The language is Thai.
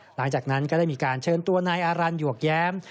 หลังจากนั้นก็ได้มีการเชิญตัวนายอารันหยวกแย้ม